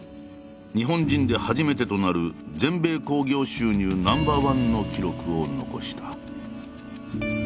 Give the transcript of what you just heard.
日本人で初めてとなる全米興行収入ナンバーワンの記録を残した。